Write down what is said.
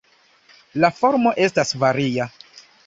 La formo estas varia.